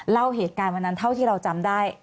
เล่าเหตุการณ์วันนั้นเท่าที่เราจำได้